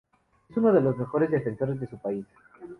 Es unos de los mejores defensores de su País.